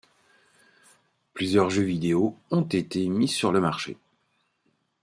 Plusieurs jeux vidéo ont été mis sur le marché.